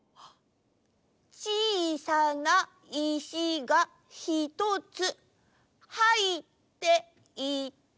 「ちいさないしがひとつ、はいっていた」。